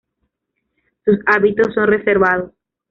Sus hábitos son reservados.